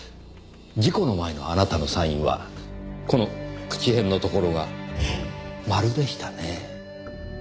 事故の前のあなたのサインはこの口偏のところが丸でしたねぇ。